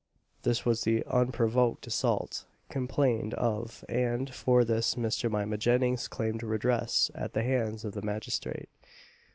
This was the unprovoked assault complained of and for this Miss Jemima Jennings claimed redress at the hands of the magistrate.